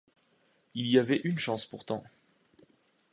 Il y avait une chance pourtant.